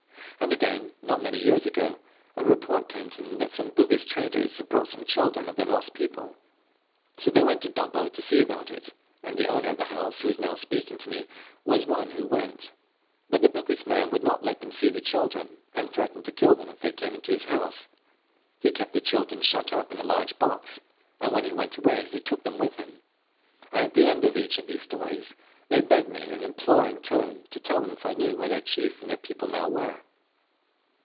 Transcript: And again, not many years ago, a report came to them that some Bugis traders had brought some children of their lost people; so they went to Dobbo to see about it, and the owner of the house, who was now speaking to me, was one who went; but the Bugis man would not let them see the children, and threatened to kill them if they came into his house. He kept the children shut up in a large box, and when he went away he took them with him. And at the end of each of these stories, they begged me in an imploring tone to tell them if I knew where their chief and their people now were.